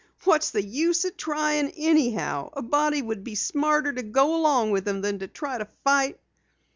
"What's the use trying anyhow? A body would be smarter to go along with 'em than to try to fight."